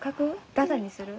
ダダにする？